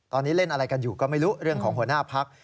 ตอนนี้เล่นอะไรกันอยู่ก็ไม่รู้เรื่องของหัวหน้าพัก